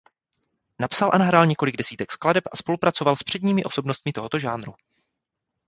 Napsal a nahrál několik desítek skladeb a spolupracoval s předními osobnostmi tohoto žánru.